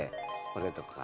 これとか。